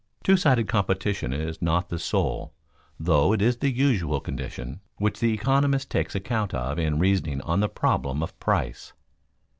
Two sided competition is not the sole, though it is the usual condition, which the economist takes account of in reasoning on the problem of price.